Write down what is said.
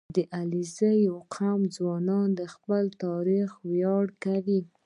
• د علیزي قوم ځوانان د خپل تاریخ ویاړ کوي.